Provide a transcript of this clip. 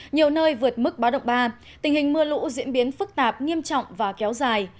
nhiều nơi vượt mức báo động ba tình hình mưa lũ diễn biến phức tạp nghiêm trọng và kéo dài